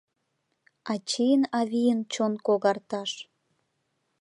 Ачийын-авийын чон когарташ